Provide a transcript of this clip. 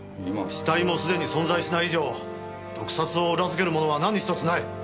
死体もすでに存在しない以上毒殺を裏付けるものは何ひとつない。